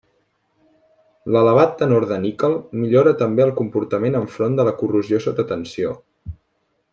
L'elevat tenor de níquel millora també el comportament enfront de la corrosió sota tensió.